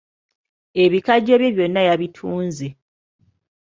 Ebikajjo bye byonna yabitunze.